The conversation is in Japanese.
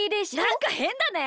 なんかへんだね。